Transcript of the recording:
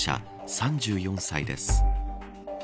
３４歳です。